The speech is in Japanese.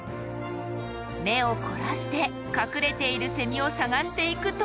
目を凝らして隠れているセミを探していくと。